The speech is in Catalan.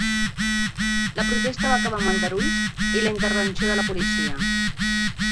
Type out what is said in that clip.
La protesta va acabar amb aldarulls i la intervenció de la policia.